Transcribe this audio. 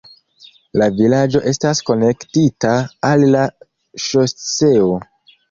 La vilaĝo estas konektita al la ŝoseo.